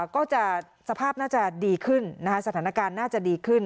ก็จะสภาพน่าจะดีขึ้นนะคะสถานการณ์น่าจะดีขึ้น